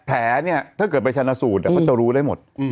แผลเนี่ยถ้าเกิดไปชนะสูตรเขาจะรู้ได้หมด